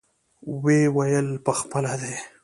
ويې ويل پخپله دى.